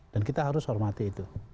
dan kita harus hormati itu